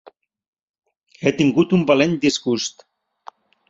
He tingut un valent disgust.